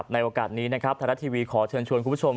ในโอกาสนี้ทรัฐทีวีขอเชิญชวนคุณผู้ชม